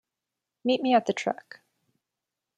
Meet me at the truck.